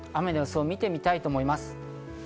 雨の予想を見てみたいと思います。